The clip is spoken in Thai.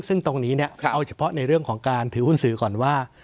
ซึ่งตรงนี้เอาเฉพาะในเรื่องของการถือหุ้นสื่อก่อนว่า